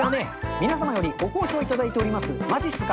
皆様にご好評いただいておりますまじっすか。